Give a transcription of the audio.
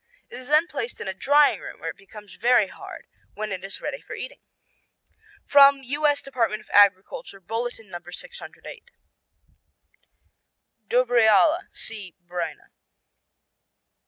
It is then placed in a drying room, where it becomes very hard, when it is ready for eating." (From U.S. Department of Agriculture Bulletin No. 608.) Dubreala see Brina.